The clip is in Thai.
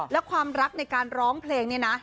และความรักในการร้องเพลงเนี่ยนะ